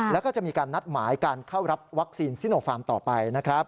แล้วก็จะมีการนัดหมายการเข้ารับวัคซีนซิโนฟาร์มต่อไปนะครับ